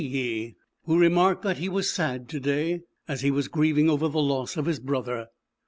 219 Ki Yi, who remarked that he was sad to day, as he was grieving over the loss of his brother.